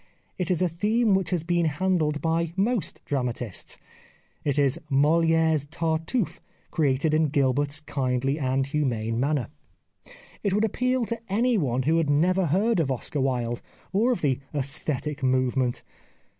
It is a theme which has been handled by most dramatists. It is Moliere's Tartuffe treated in Gilbert's kindly and humane manner. It would appeal to anyone who had never heard of Oscar Wilde or of the " aesthetic movement."